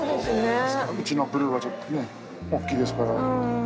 うちのブルーはちょっとね、大きいですから。